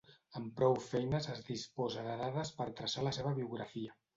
Amb prou feines es disposa de dades per traçar la seva biografia.